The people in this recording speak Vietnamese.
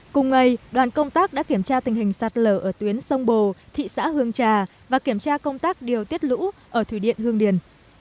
cùng ngày đoàn công tác đã kiểm tra tình hình sạt lở ở tuyến sông bồ thị xã hương trà và kiểm tra công tác điều tiết lũ ở thủy điện hương điền